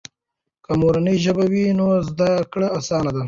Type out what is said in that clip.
که مورنۍ ژبه وي، نو زده کړه آسانه ده.